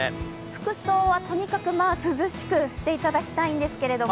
服装はとにかく涼しくしていただきたいんですけど。